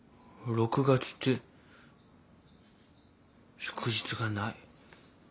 ６月って祝日がない。